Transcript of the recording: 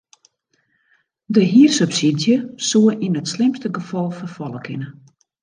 De hiersubsydzje soe yn it slimste gefal ferfalle kinne.